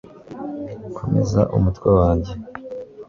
KOMEZA UMUTWE WANJYE